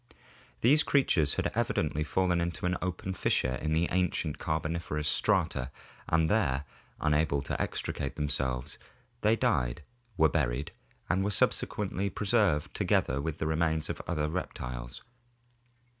These crea tures had evidently fallen into an open fissure in the ancient Car boniferous strata and there, unable to extricate themselves, they died, were buried, and were subsequently preserved together with the remains of other reptiles.